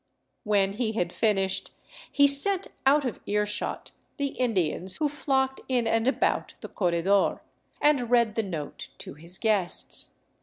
When he had finished, he sent out of ear shot the Indians who flocked in and about the corredor, and read the note to his guests.